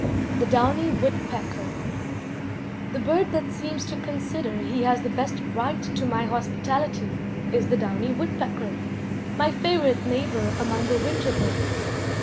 THE DOWNY WOODPECKER The bird that seems to consider he has the best right to my hospitality is the downy woodpecker, my favorite neighbor among the winter birds.